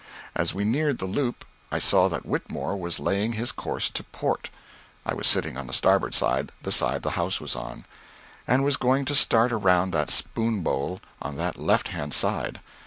As we neared the loop, I saw that Whitmore was laying his course to port, (I was sitting on the starboard side the side the house was on), and was going to start around that spoon bowl on that left hand side.